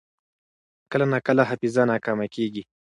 کله ناکله حافظه ناکامه کېږي.